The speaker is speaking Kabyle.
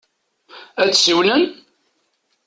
Ad d-siwlen?